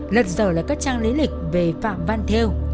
lật dở lại các trang lý lịch về phạm văn thêu